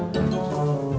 bertahan ke tujuh